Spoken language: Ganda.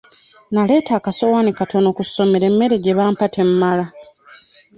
Naleeta akasowaani katono ku ssomero emmere gye bampa temmala.